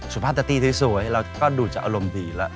สุภาพเตตี้สวยเราก็ดูจะอารมณ์ดีแล้ว